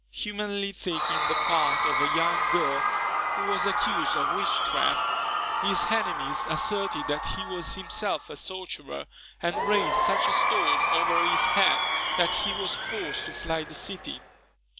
Humanely taking the part of a young girl who was accused of witchcraft, his enemies asserted that he was himself a sorcerer, and raised such a storm over his head, that he was forced to fly the city.